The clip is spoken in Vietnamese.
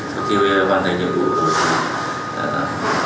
sau khi hoa giới ban thầy nhiệm vụ chúng ta sẽ về cho đ anh gặp